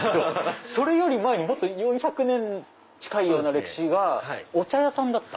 それより前もっと４００年近いような歴史がお茶屋さんだった？